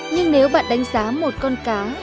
nhưng nếu bạn đánh giá một con cá